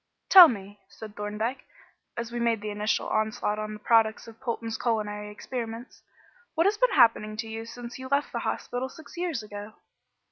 "Tell me," said Thorndyke, as we made the initial onslaught on the products of Polton's culinary experiments, "what has been happening to you since you left the hospital six years ago?"